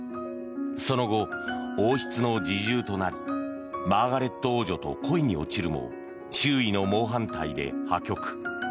その後、王室の侍従となりマーガレット王女と恋に落ちるも周囲の猛反対で破局。